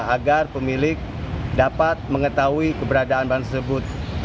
agar pemilik dapat mengetahui keberadaan bahan tersebut